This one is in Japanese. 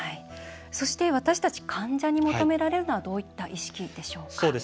そして、私たち患者に求められるのはどういった意識でしょうか？